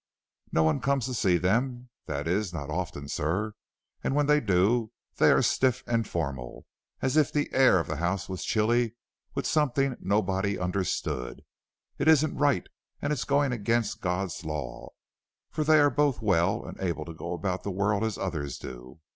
No one comes to see them that is, not often, sir, and when they do, they are stiff and formal, as if the air of the house was chilly with something nobody understood. It isn't right, and it's going against God's laws, for they are both well and able to go about the world as others do.